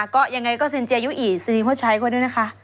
ก็ยังไงก็สินเจียยุอีสินทรีพ่อชัยก็ด้วยนะคะ